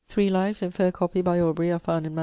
Three lives, in fair copy, by Aubrey, are found in MS.